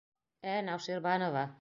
Ә-ә, Науширбанова!